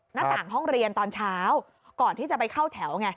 หน้าต่างห้องเรียนตอนเช้าก่อนที่จะไปเข้าแถวไง